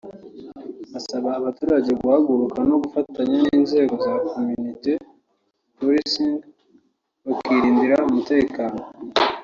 asaba abaturage guhaguruka no gufatanya n’inzego za Community Policing bakirindira umutekeno